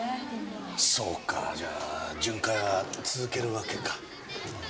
そうかじゃあ巡回は続けるわけか。